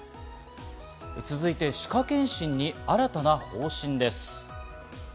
続いて歯科検診に新たな方針です。